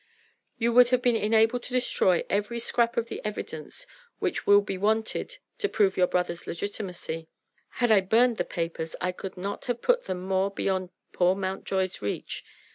"You would have been enabled to destroy every scrap of the evidence which will be wanted to prove your brother's legitimacy. Had I burned the papers I could not have put them more beyond poor Mountjoy's reach.